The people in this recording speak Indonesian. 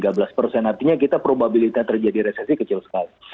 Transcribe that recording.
artinya kita probabilitas terjadi resesi kecil sekali